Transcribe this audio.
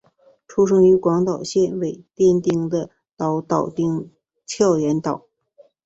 出生于广岛县尾丸町的岛岛町的岩崎岛。